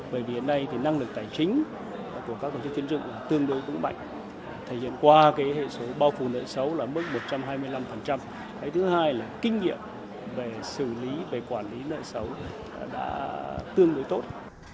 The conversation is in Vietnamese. bởi vì ở đây thì năng lực tài chính của các doanh nghiệp tiến dựng là tương đối cũng mạnh thời gian qua cái hệ số bao phủ nợ xấu là mức một trăm hai mươi năm thứ hai là kinh nghiệm về xử lý về quản lý nợ xấu đã tương đối tốt